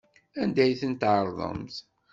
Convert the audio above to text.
Anda ay ten-tɛerḍemt?